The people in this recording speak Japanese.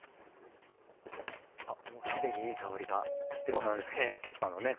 もう既にいい香りがしてますね。